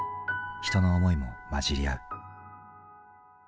人の思いも混じり合う。